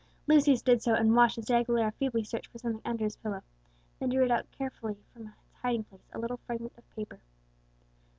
Lucius did so, and watched as De Aguilera feebly searched for something under his pillow, and then drew out carefully from its hiding place a little fragment of paper.